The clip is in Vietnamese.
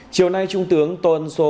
chiều nay trung tướng tôn sô